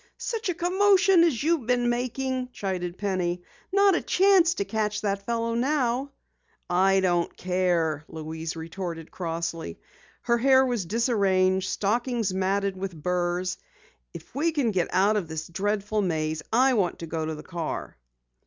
"Such a commotion as you've been making," chided Penny. "Not a chance to catch that fellow now!" "I don't care," Louise retorted crossly. Her hair was disarranged, stockings matted with burs. "If we can get out of this dreadful maze I want to go to the car."